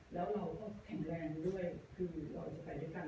แล้วเราก็แข็งแรงด้วยคือเราจะไปด้วยกัน